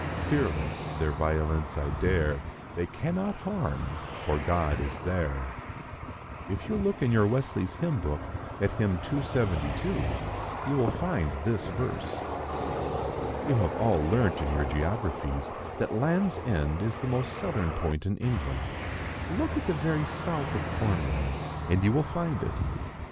Fearless, their violence I dare; They cannot harm, for God is there." If you look in your Wesley's Hymn Book, at hymn 272, you will find this verse. You have all learnt, in your geographies, that Land's End is the most southern point in England; look at the very south of Cornwall, and you will find it.